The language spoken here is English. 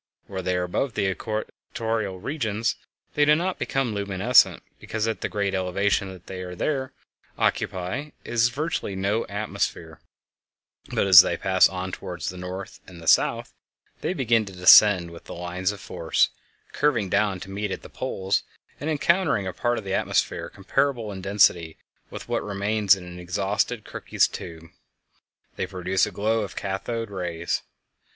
While they are above the equatorial regions they do not become luminescent, because at the great elevation that they there occupy there is virtually no atmosphere; but as they pass on toward the north and the south they begin to descend with the lines of force, curving down to meet at the poles; and, encountering a part of the atmosphere comparable in density with what remains in an exhausted Crookes tube, they produce a glow of cathode rays.